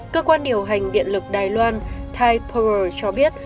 cơ quan điều hành điện lực đài loan tai poer cho biết